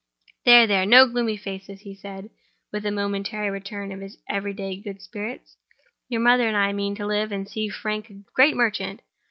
There! there! no gloomy faces," he said, with a momentary return of his every day good spirits. "Your mother and I mean to live and see Frank a great merchant.